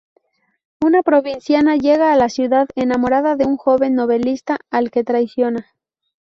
Una provinciana llega a la ciudad enamorada de un joven novelista al que traiciona.